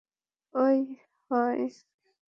ওই, হই।